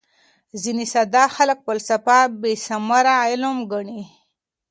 ځیني ساده خلک فلسفه بېثمره علم ګڼي.